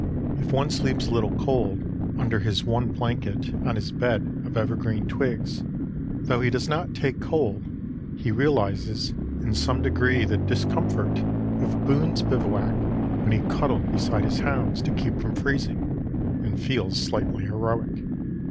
If one sleeps a little cold under his one blanket on his bed of evergreen twigs, though he does not take cold, he realizes in some degree the discomfort of Boone's bivouac when he cuddled beside his hounds to keep from freezing and feels slightly heroic.